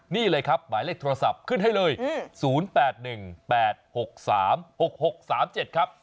นี่เลยครับหมายเลขโทรศัพท์ขึ้นให้เลย๐๘๑๘๖๓๖๖๓๗ครับ